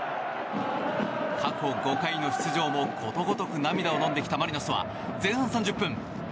過去５回の出場もことごとく涙をのんできたマリノスは前半３０分。